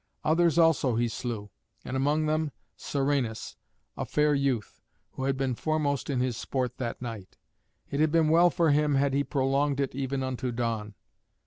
Others also he slew, and among them Serranus, a fair youth, who had been foremost in his sport that night. It had been well for him had he prolonged it even unto dawn.